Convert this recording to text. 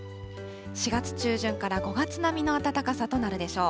４月中旬から５月並みの暖かさとなるでしょう。